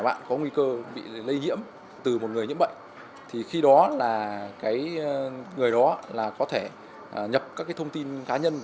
bạn có nguy cơ bị lây nhiễm từ một người nhiễm bệnh thì khi đó là người đó có thể nhập các thông tin cá nhân